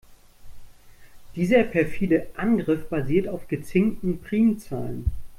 Dieser perfide Angriff basiert auf gezinkten Primzahlen.